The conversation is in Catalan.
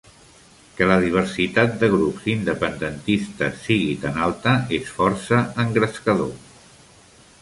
Que la diversitat de grups independentistes sigui tan alta és força engrescador.